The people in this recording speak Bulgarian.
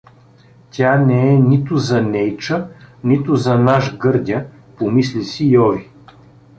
„Тя не е нито за Нейча, нито за наш Гърдя“ — помисли си Йови.